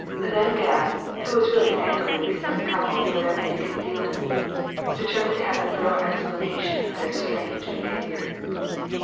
Then Gebb, who was really angry with the young couple for their many concealments, determined to have a thorough explanation of their strange behaviour.